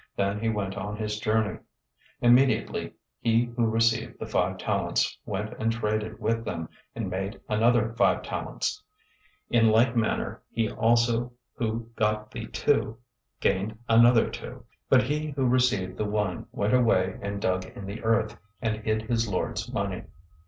Then he went on his journey. 025:016 Immediately he who received the five talents went and traded with them, and made another five talents. 025:017 In like manner he also who got the two gained another two. 025:018 But he who received the one went away and dug in the earth, and hid his lord's money.